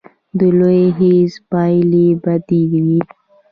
د لوی خیز پایلې بدې وې.